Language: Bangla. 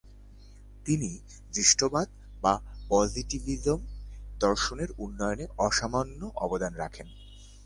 তিনি দৃষ্টবাদ বা পজিটিভিজম দর্শনের উন্নয়নে অসামান্য অবদান রাখেন।